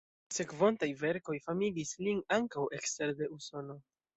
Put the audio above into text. La sekvontaj verkoj famigis lin ankaŭ ekster de Usono.